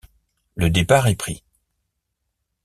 Le départ est pris.